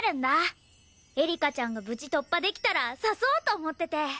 エリカちゃんが無事突破できたら誘おうと思ってて。